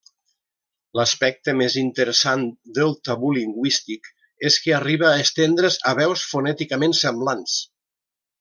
L'aspecte més interessant del tabú lingüístic és que arriba a estendre's a veus fonèticament semblants.